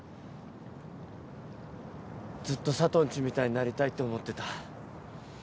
ずっと佐都んちみたいになりたいって思ってた。